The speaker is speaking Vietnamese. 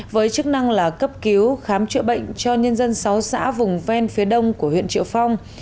với chức năng là cấp cứu khám chữa bệnh cho nhân dân sáu xã vùng ven phía đông của huyện triệu phong